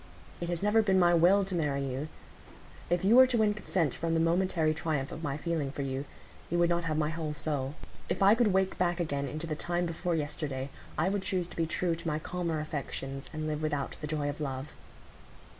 It has never been my will to marry you; if you were to win consent from the momentary triumph of my feeling for you, you would not have my whole soul. If I could wake back again into the time before yesterday, I would choose to be true to my calmer affections, and live without the joy of love."